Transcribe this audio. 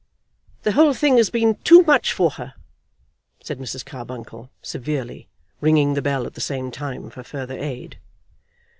"The whole thing has been too much for her," said Mrs. Carbuncle severely, ringing the bell at the same time for further aid.